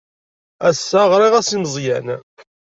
Ass-a ɣriɣ-as i Meẓyan.